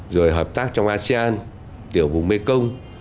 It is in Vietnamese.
rồi hợp tác trong asean tiểu vùng mekong